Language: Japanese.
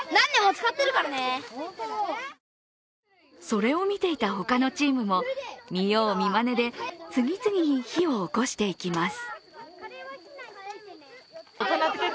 それを見ていた他のチームも見よう見まねで次々に火を起こしていきます。